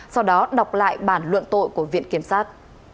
sau đó đọc lại bản luận tội của viện kiểm sát